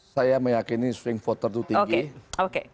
saya meyakini swing voter itu tinggi